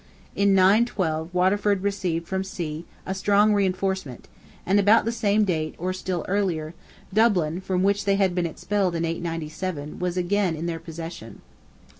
In 912, Waterford received from sea a strong reinforcement, and about the same date, or still earlier, Dublin, from which they had been expelled in 897, was again in their possession.